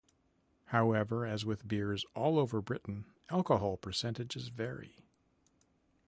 However, as with beers all over Britain, alcohol percentages vary.